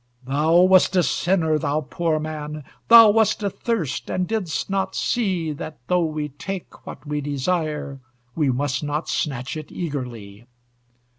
Thou wast a sinner, thou poor man! Thou wast athirst, and didst not see That, though we take what we desire, We must not snatch it eagerly.